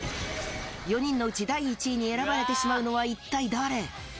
４人のうち第１位に選ばれてしまうのは一体誰？